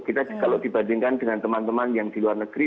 kita kalau dibandingkan dengan teman teman yang di luar negeri